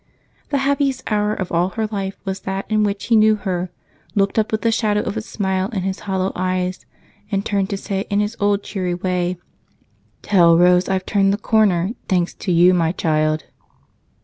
The happiest hour of all her life was that in which he knew her, looked up with the shadow of a smile in his hollow eyes, and tried to say in his old cheery way: "Tell Rose I've turned the corner, thanks to you, my child."